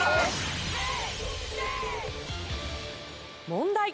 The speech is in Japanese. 問題。